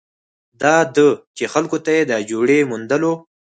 دا ده چې خلکو ته د جوړې موندلو